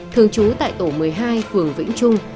thường trú tại tổ một mươi hai phường vĩnh trung